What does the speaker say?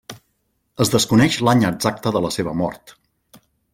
Es desconeix l'any exacte de la seva mort.